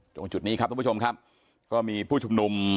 ตรงจุดนี้ครับทุกผู้ชมครับก็มีผู้ชุมนุม